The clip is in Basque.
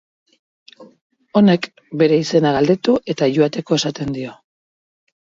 Honek, bere izena galdetu eta joateko esaten dio.